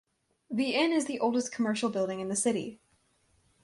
The Inn is the oldest commercial building in the city.